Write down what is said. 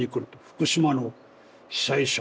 福島の被災者